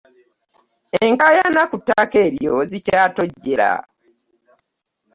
Enkayana ku ttaka eryo zikyatojjera